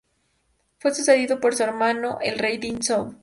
Fue sucedido por su hermano, el Rey Ding de Zhou.